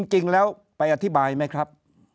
จริงแล้วไปอธิบายไหมครับ